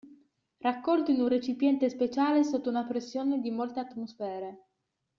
Raccolto in un recipiente speciale sotto una pressione di molte atmosfere.